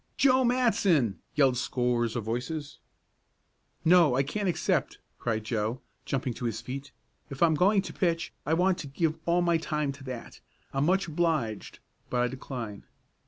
"Joe Matson!" yelled scores of voices. "No, I can't accept," cried Joe, jumping to his feet. "If I'm going to pitch I want to give all my time to that. I'm much obliged, but I decline."